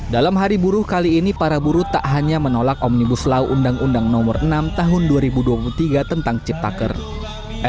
dalam hari buruh kali ini para buruh tak hanya menolak omnibus law undang undang nomor enam tahun dua ribu dua puluh tiga tentang cipta kerja